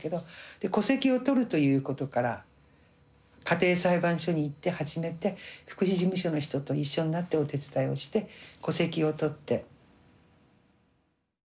で戸籍を取るということから家庭裁判所に行って始めて福祉事務所の人と一緒になってお手伝いをして戸籍を取って。